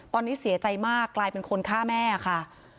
ตอนนี้เสียใจมากกลายเป็นคนฆ่าแม่ค่ะ